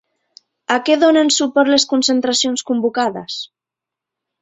A què donen suport les concentracions convocades?